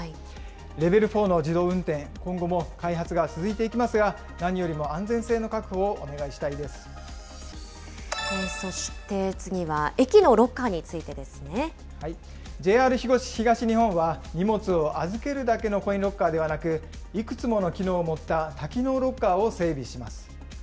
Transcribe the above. レベル４の自動運転、今後も開発が続いていきますが、何よりも安そして次は駅のロッカーにつＪＲ東日本は、荷物を預けるだけのコインロッカーではなく、いくつもの機能を持った多機能ロッカーを整備します。